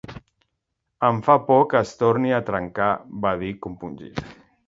Em fa por que es torni a trencar —va dir, compungit.